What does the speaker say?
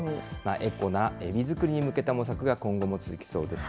エコなエビ作りに向けた模索が今後も続きそうです。